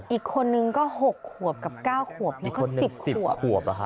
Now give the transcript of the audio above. อีกคนนึงก็๖ขวบกับ๙ขวบนี่ก็๑๐ขวบ